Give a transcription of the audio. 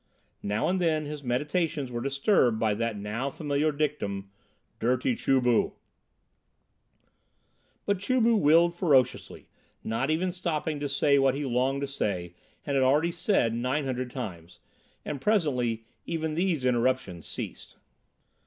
Now and then his meditations were disturbed by that now familiar dictum, "Dirty Chu bu," but Chu bu willed ferociously, not even stopping to say what he longed to say and had already said nine hundred times, and presently even these interruptions ceased.